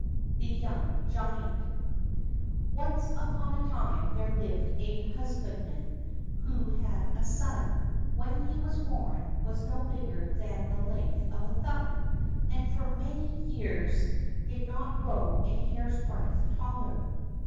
The Young Giant Once upon a time there lived a husbandman who had a son who, when he was born, was no bigger than the length of a thumb, and who for many years did not grow a hair's breadth taller.